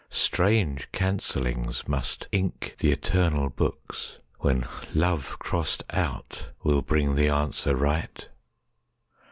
Strange cancellings must ink th' eternal booksWhen love crossed out will bring the answer right!